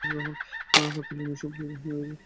কাতালুনিয়ায় নিজস্ব পুলিশ বাহিনী আছে।